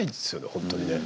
本当にね。